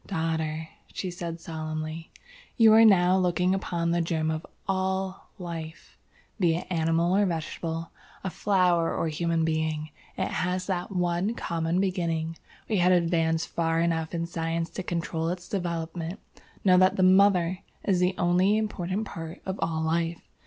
"Daughter," she said, solemnly, "you are now looking upon the germ of all Life, be it animal or vegetable, a flower or a human being, it has that one common beginning. We have advanced far enough in Science to control its development. Know that the MOTHER is the only important part of all life.